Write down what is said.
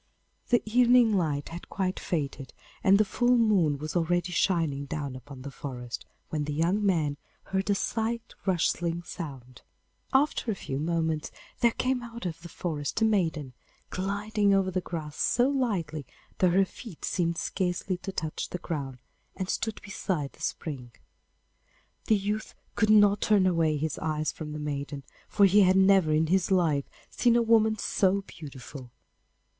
The evening light had quite faded, and the full moon was already shining down upon the forest, when the young man heard a slight rustling sound. After a few moments there came out of the forest a maiden, gliding over the grass so lightly that her feet seemed scarcely to touch the ground, and stood beside the spring. The youth could not turn away his eyes from the maiden, for he had never in his life seen a woman so beautiful.